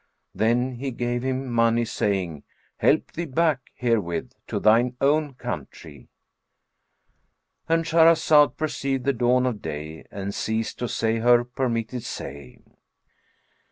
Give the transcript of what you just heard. Then he gave him money saying, "Help thee back herewith to thine own country;"— And Shahrazad perceived the dawn of day and ceased to say her permitted say.